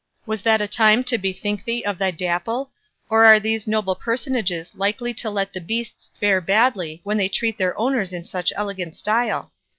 Was that a time to bethink thee of thy Dapple, or are these noble personages likely to let the beasts fare badly when they treat their owners in such elegant style?